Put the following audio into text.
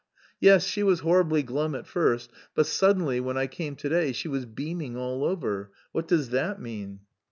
yes, she was horribly glum at first, but suddenly, when I came to day, she was beaming all over, what does that mean?"